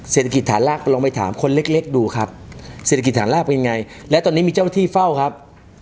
เศรษฐกิจฐานรากลองไปถามคนเล็กเล็กดูครับเศรษฐกิจฐานรากเป็นไงและตอนนี้มีเจ้าหน้าที่เฝ้าครับ